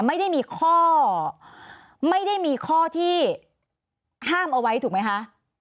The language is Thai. ไม่ได้มีข้อไม่ได้มีข้อที่ห้ามเอาไว้ถูกไหมคะ